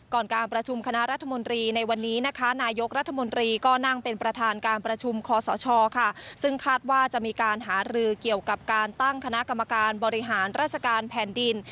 การประชุมคณะรัฐมนตรีในวันนี้นะคะนายกรัฐมนตรีก็นั่งเป็นประธานการประชุมคอสชค่ะซึ่งคาดว่าจะมีการหารือเกี่ยวกับการตั้งคณะกรรมการบริหารราชการแผ่นดิน